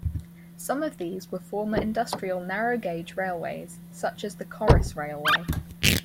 Some of these were former industrial narrow gauge railways, such as the Corris Railway.